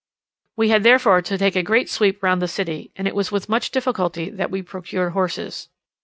We had therefore to take a great sweep round the city, and it was with much difficulty that we procured horses.